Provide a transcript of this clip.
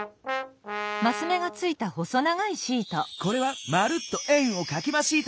これは「まるっと円をかきまシート」！